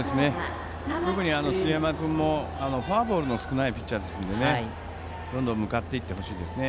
特に杉山君はフォアボールの少ないピッチャーですのでどんどん向かっていってほしいですね。